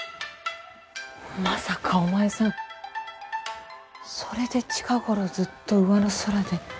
まさかお前さんそれで近頃ずっと、うわの空で。